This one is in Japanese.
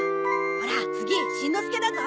ほら次しんのすけだぞ！